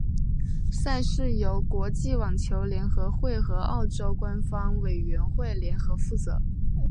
赛事由国际网球联合会和澳网官方委员会联合负责。